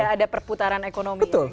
ada perputaran ekonomi